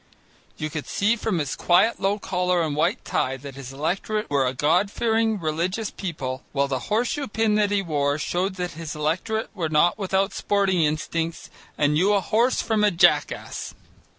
You could see from his quiet low collar and white tie that his electorate were a Godfearing, religious people, while the horseshoe pin that he wore showed that his electorate were not without sporting instincts and knew a horse from a jackass.